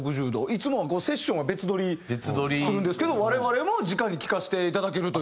いつもはセッションは別撮りするんですけど我々もじかに聴かせていただけるという事で。